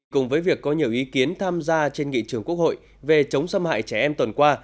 cùng với việc có nhiều ý kiến tham gia trên nghị trường quốc hội về chống xâm hại trẻ em tuần qua